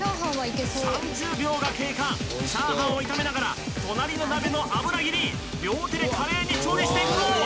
３０秒が経過炒飯を炒めながら隣の鍋の油切り両手で華麗に調理していくぞ！